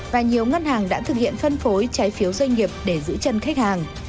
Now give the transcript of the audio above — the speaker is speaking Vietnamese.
và nhiều ngân hàng đã thực hiện phân phối trái phiếu doanh nghiệp để giữ chân khách hàng